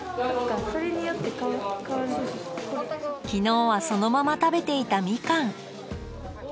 昨日はそのまま食べていたみかん。